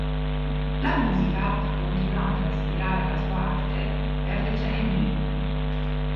La musica ha continuato a ispirare la sua arte per decenni.